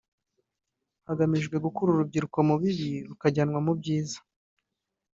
hagamijwe gukura urubyiruko mu bibi rukajyanwa mu byiza